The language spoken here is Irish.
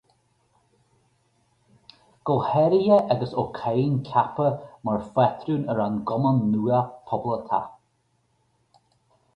Go háirithe agus Ó Cadhain ceaptha mar phátrún ar an gcumann nua poblachtach.